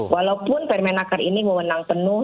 walaupun permenaker ini memenang penuh